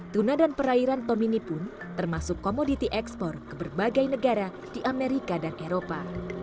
tuna dan perairan tomini pun termasuk komoditi ekspor ke berbagai negara di amerika dan eropa